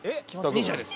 ２社です。